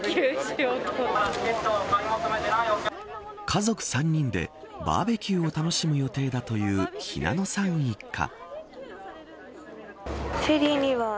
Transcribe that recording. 家族３人でバーベキューを楽しむ予定だというひなのさん一家。